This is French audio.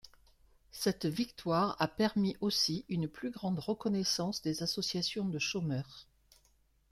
Cette victoire a permis aussi une plus grande reconnaissance des associations de chômeurs.